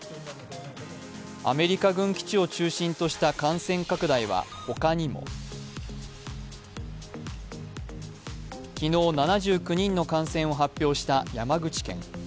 アメリカ軍基地を中心とした感染拡大は他にも昨日、７９人の感染を発表した山口県。